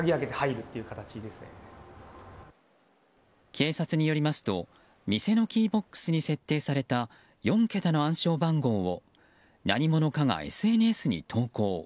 警察によりますと店のキーボックスに設定された４桁の暗証番号を何者かがＳＮＳに投稿。